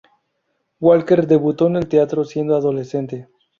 Walker debutó en el teatro siendo adolescente.